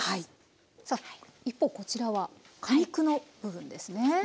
さあ一方こちらは果肉の部分ですね。